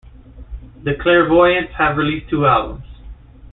The Clare Voyants have released two albums.